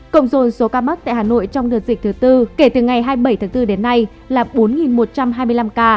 cộng dồn số ca mắc tại hà nội trong đợt dịch thứ tư kể từ ngày hai mươi bảy tháng bốn đến nay là bốn một trăm hai mươi năm ca